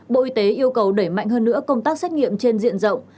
bộ y tế yêu cầu đẩy mạnh hơn nữa công tác xét nghiệm trên diện rộng